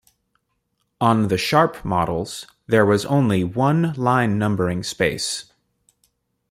On the Sharp models, there was only one line numbering space.